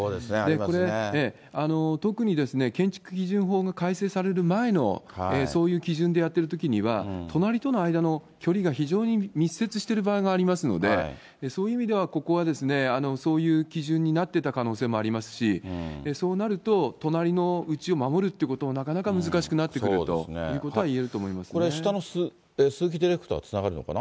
これ、特に建築基準法が改正される前のそういう基準でやってるときには、隣との間の距離が非常に密接している場合がありますので、そういう意味では、ここはそういう基準になってた可能性もありますし、そうなると、隣のうちを守るということはなかなか難しくなってくるということ下の鈴木ディレクター、つながるのかな？